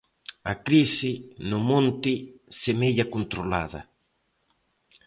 A crise, no monte, semella controlada.